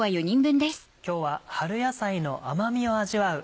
今日は春野菜の甘みを味わう